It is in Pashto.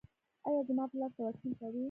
ایا زما پلار ته واکسین کوئ؟